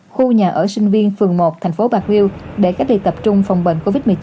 khu nhà ở sinh viên phường một thành phố bạc liêu để cách ly tập trung phòng bệnh covid một mươi chín